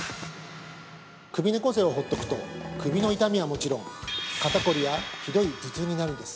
◆首猫背をほっとくと、首の痛みはもちろん、肩凝りやひどい頭痛になるんです。